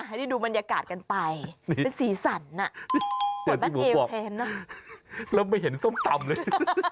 ให้ดูบรรยากาศกันไปเป็นสีสั่นอ่ะแก่วเป็นน่ะแล้วไปเห็นส้มตำเลย